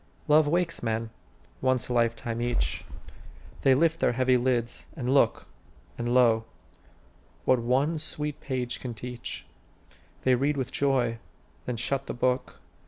Love wakes men, once a lifetime each; They lift their heavy lids, and look; And, lo, what one sweet page can teach, They read with joy, then shut the book.